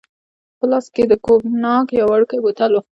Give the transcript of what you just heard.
په لاس کې يې د کوګناک یو وړوکی بوتل وو.